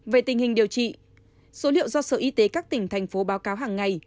về tình hình điều trị số liệu do sở y tế các tỉnh thành phố báo cáo hàng ngày